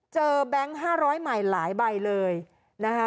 เจอแบงค์๕๐๐หมายหลายใบเลยนะฮะ